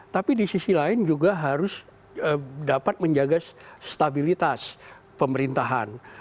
tapi di sisi lain juga harus dapat menjaga stabilitas pemerintahan